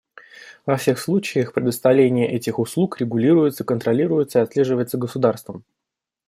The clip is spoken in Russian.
Во всех случаях, предоставление этих услуг регулируется, контролируется и отслеживается государством.